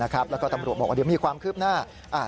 แล้วก็ตำรวจบอกว่ามีความครืบหน้า